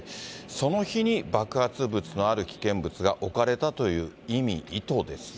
その日に爆発物のある危険物が置かれたという意味、意図ですね。